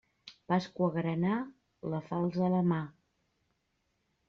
Pasqua granà, la falç a la mà.